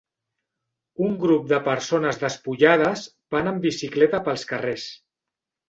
Un grup de persones despullades van en bicicleta pels carrers.